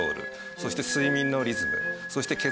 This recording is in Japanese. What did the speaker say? そして睡眠のリズムそして血圧や脈拍。